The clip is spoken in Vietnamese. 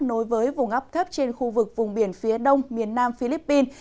nối với vùng áp thấp trên khu vực vùng biển phía đông miền nam philippines